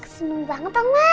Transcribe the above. seneng banget oma